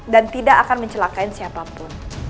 dan tidak akan mencelakain siapapun